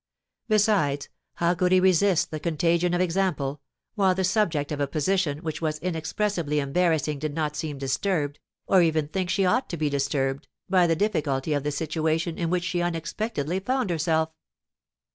Besides, how could he resist the contagion of example, while the subject of a position which was inexpressibly embarrassing did not seem disturbed, or even think she ought to be disturbed, by the difficulty of the situation in which she unexpectedly found herself?